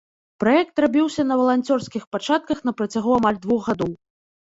Праект рабіўся на валанцёрскіх пачатках на працягу амаль двух гадоў.